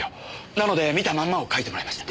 なので見たまんまを描いてもらいました。